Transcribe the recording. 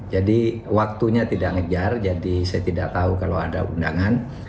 jadi waktunya tidak ngejar jadi saya tidak tahu kalau ada undangan